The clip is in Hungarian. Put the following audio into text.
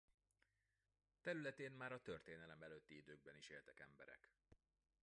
Területén már a történelem előtti időkben is éltek emberek.